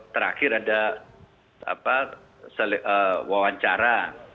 terakhir ada wawancara